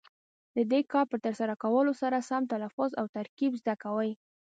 د دې کار په ترسره کولو سره سم تلفظ او ترکیب زده کوي.